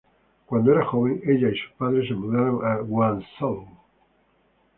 Cuando era joven, ella y sus padres se mudaron a Guangzhou.